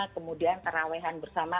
kemudian kerahwehan bersama